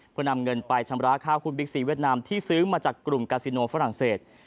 เพื่อนำเงินไปชำระค่าหุ้นบิ๊กซีเวียดนามที่ซื้อมาจากกลุ่มกาซิโนฝรั่งเศส